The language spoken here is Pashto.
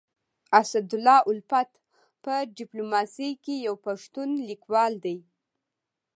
اسدالله الفت په ډيپلوماسي کي يو پښتون ليکوال دی.